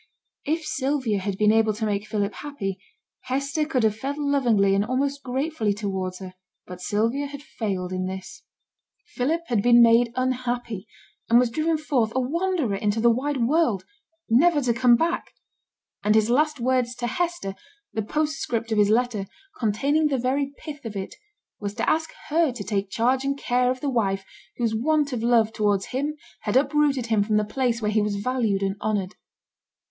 If Sylvia had been able to make Philip happy, Hester could have felt lovingly and almost gratefully towards her; but Sylvia had failed in this. Philip had been made unhappy, and was driven forth a wanderer into the wide world never to come back! And his last words to Hester, the postscript of his letter, containing the very pith of it, was to ask her to take charge and care of the wife whose want of love towards him had uprooted him from the place where he was valued and honoured.